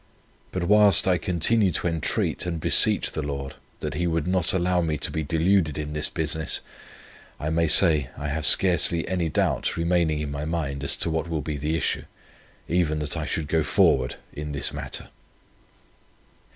But whilst I continue to entreat and beseech the Lord, that He would not allow me to be deluded in this business, I may say I have scarcely any doubt remaining on my mind as to what will be the issue, even that I should go forward in this matter.